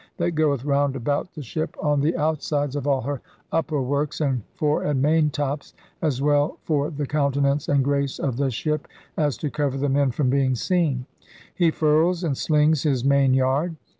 that goeth round about the shippe on the out sides of all her upper works and fore and main tops y as well for the countenance and grace of the shippe as to cover the men from being seen. He furls and slings his main yard.